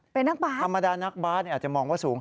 เป็นนักบาสธรรมดานักบาสอาจจะมองว่าสูง